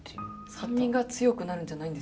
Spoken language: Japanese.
酸味が強くなるんじゃないんですね。